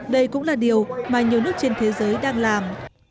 đây cũng là điều mà nhiều nước trên thế giới đang làm